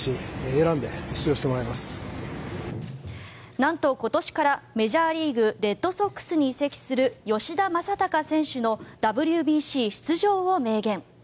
なんと、今年からメジャーリーグレッドソックスに移籍する吉田正尚選手のＷＢＣ出場を明言。